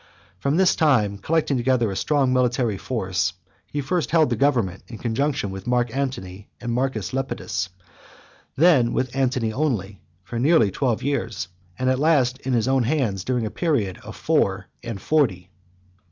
From this time, collecting together a strong military force, he first held the government in conjunction with Mark Antony and Marcus Lepidus, then with Antony only, for nearly twelve years, and at last in his own hands during a period of four and forty.